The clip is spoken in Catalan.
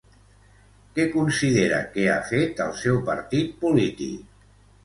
Què considera que ha fet el seu partit polític?